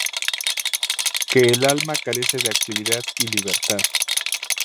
Que el alma carece de actividad y de libertad.